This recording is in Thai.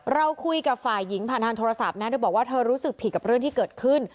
เราคุยกับฝ่ายหญิงผ่านทางโทรศัพท์นะเธอบอกว่าเธอรู้สึกผิดกับเรื่องที่เกิดขึ้น